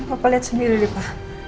apa liat sendiri lipa